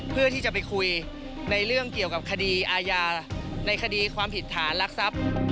เพื่อที่จะไปคุยในเรื่องเกี่ยวกับคดีอาญาในคดีความผิดฐานรักทรัพย์